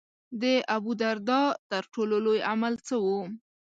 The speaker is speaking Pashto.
د ابوالدرداء تر ټولو لوی عمل څه و.